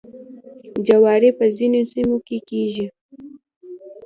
جواری په ځینو سیمو کې کیږي.